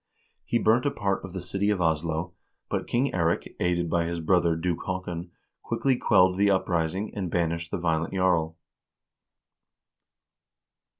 He burned a part of the city of Oslo; but King Eirik, aided by his brother Duke Haakon, quickly quelled the uprising, and banished the violent jarl.